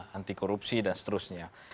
antikorupsi dan seterusnya